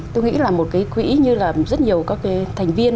tôi nghĩ là một cái quỹ như là rất nhiều các cái thành viên